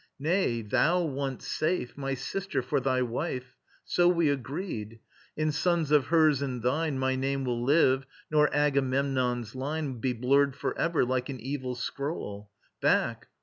Nay, thou once safe, my sister for thy wife So we agreed: in sons of hers and thine My name will live, nor Agamemnon's line Be blurred for ever like an evil scroll. Back!